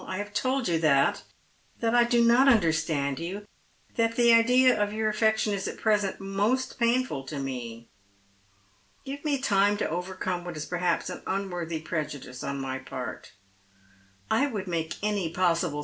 " T have told you that — that I do not understand you — that the idea of your affection is at present most painful to me. Give me time to overcome what is perhaps an luiworthy prejudice on my part. I would make any Craining 'time. ^5$ possible.